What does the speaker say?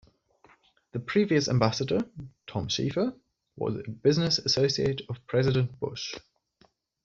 The previous Ambassador, Tom Schieffer, was a business associate of President Bush.